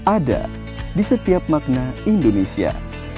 ada di setiap makna indonesia